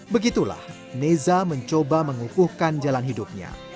begitulah neza mencoba mengukuhkan jalan hidupnya